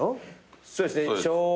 そうですね小。